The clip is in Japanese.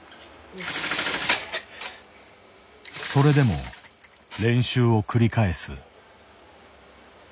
それでも練習を繰り返す。